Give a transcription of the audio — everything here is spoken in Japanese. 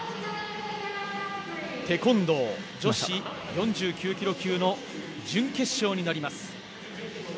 テコンドー女子４９ｋｇ級の準決勝になります。